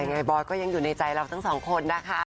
ยังไงบอยก็ยังอยู่ในใจเราทั้งสองคนนะคะ